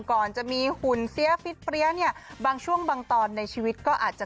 ก่อนจะมีหุ่นเสียฟิตเปรี้ยเนี่ยบางช่วงบางตอนในชีวิตก็อาจจะ